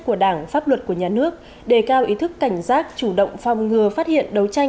của đảng pháp luật của nhà nước đề cao ý thức cảnh giác chủ động phòng ngừa phát hiện đấu tranh